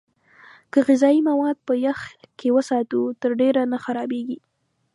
که غذايي مواد په يخ کې وساتو، تر ډېره نه خرابېږي.